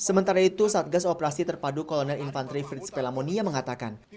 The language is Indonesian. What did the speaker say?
sementara itu satgas operasi terpadu kolonel infantri frits pelamonia mengatakan